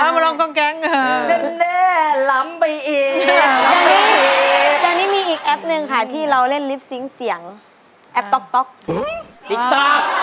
ไม่รู้ดิมะรองก้องแก๊งค่ะอ๋อ